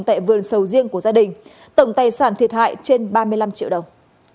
tại vườn sầu riêng của gia đình tổng tài sản thiệt hại trên ba mươi năm triệu đồng